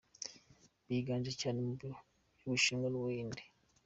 biganje cyane mu bihugu cy’ubushinwa n’ubuhinde.